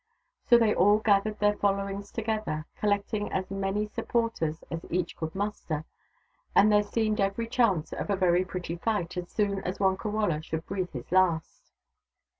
So they all gathered their followings together, collecting as many sup porters as each could muster, and there seemed every chance of a very pretty fight as soon as Wonkawala should breathe his last.